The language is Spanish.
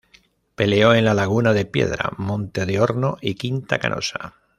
Peleó en Laguna de Piedra, Monte de Horno y Quinta Canosa.